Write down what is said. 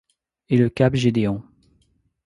Et le « cap Gédéon. .